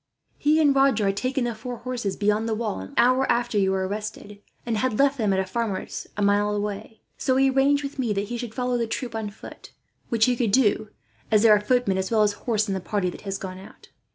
He and Roger had taken the four horses beyond the walls, an hour after you were arrested; and had left them at a farmer's, a mile away. So he arranged with me that he should follow the troop on foot; which he could do, as there are footmen as well as horse in the party that has gone out.